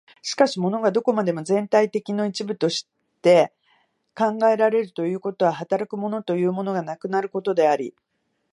しかし物がどこまでも全体的一の部分として考えられるということは、働く物というものがなくなることであり、